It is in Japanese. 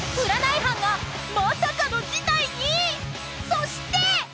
［そして］